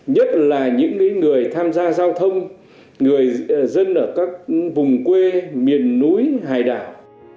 nhất là những người tham gia giao thông người dân ở các vùng quê miền núi hải đảo